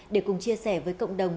để cùng chia sẻ với cộng đồng